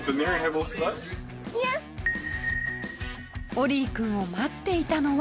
オリーくんを待っていたのは。